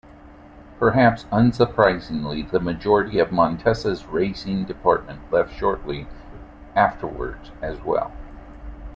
Perhaps unsurprisingly, the majority of Montesa's racing department left shortly afterwards as well.